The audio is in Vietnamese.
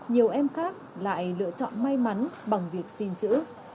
nhiều em khác lại lựa chọn may mắn bằng việc xin chữ